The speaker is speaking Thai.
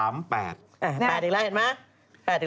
นี่๘อีกแล้วเห็นไหม